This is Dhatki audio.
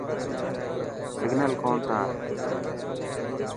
سگنل ڪون تا آئي.